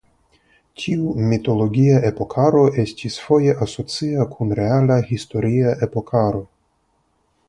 Tiu mitologia epokaro estis foje asocia kun reala historia epokaro.